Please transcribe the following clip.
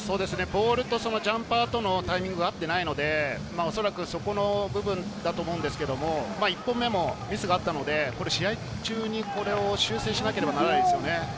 ボールとジャンパーとのタイミングが合ってないので、おそらくそこの部分だと思うんですけれど、１本目もミスがあったので、試合中にこれを修正しなければならないですよね。